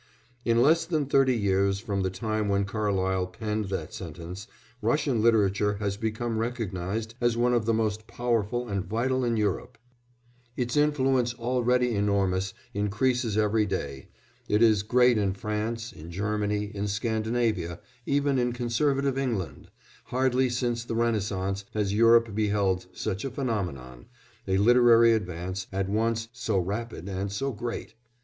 " In less than thirty years from the time when Carlyle penned that sentence Russian literature had become recognised as one of the most powerful and vital in Europe; its influence, already enormous, increases every day; it is great in France, in Germany, in Scandinavia, even in conservative England; hardly since the Renaissance has Europe beheld such a phenomenon a literary advance at once so rapid and so great.